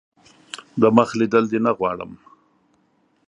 دمخ لیدل دي نه غواړم .